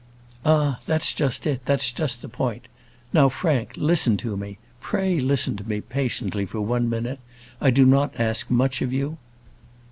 "Ah, that's just it; that's just the point. Now, Frank, listen to me. Pray listen to me patiently for one minute. I do not ask much of you."